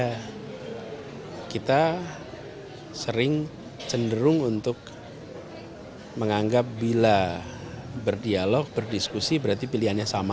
karena kita sering cenderung untuk menganggap bila berdialog berdiskusi berarti pilihannya sama